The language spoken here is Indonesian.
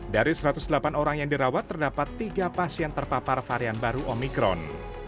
dari satu ratus delapan orang yang dirawat terdapat tiga pasien terpapar varian baru omikron